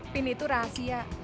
pin itu rahasia